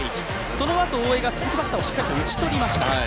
そのあと大江が続くバッターをしっかりと打ち取りました。